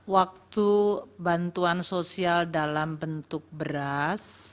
waktu bantuan sosial dalam bentuk beras